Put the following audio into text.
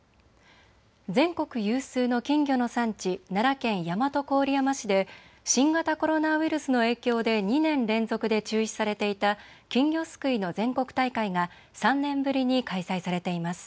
全国有数の金魚の産地、奈良県大和郡山市で新型コロナウイルスの影響で２年連続で中止されていた金魚すくいの全国大会が３年ぶりに開催されています。